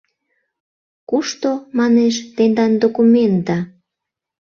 — Кушто, — манеш, — тендан документда?